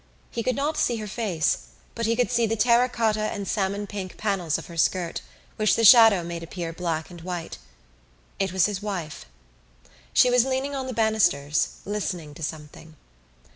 He could not see her face but he could see the terracotta and salmon pink panels of her skirt which the shadow made appear black and white. It was his wife. She was leaning on the banisters, listening to something.